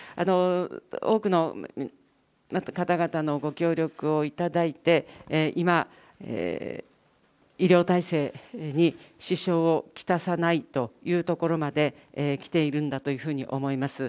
多くの方々のご協力をいただいて、今、医療体制に支障を来さないというところまできているんだというふうに思います。